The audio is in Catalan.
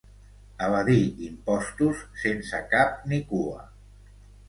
Evadí impostos sense cap ni cua.